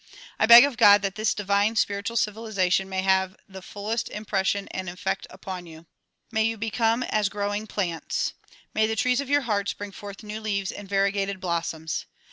I beg of God that this divine spiritual civilization may have the fullest impres sion and effect upon you. May you become as growing plants. 36 THE PROMULGATION OF UNIVERSAL PEACE May the trees of your hearts bring forth new leaves and variegated blossoms.